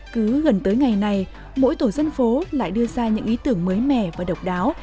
cứ gần tới ngày này mỗi tổ dân phố lại đưa ra những ý tưởng mới mẻ và độc đáo